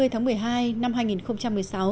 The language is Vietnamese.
hai mươi tháng một mươi hai năm hai nghìn một mươi sáu